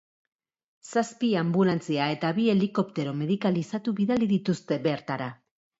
Zazpi anbulantzia eta bi helikoptero medikalizatu bidali dituzte bertara.